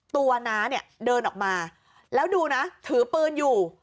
น้าเนี่ยเดินออกมาแล้วดูนะถือปืนอยู่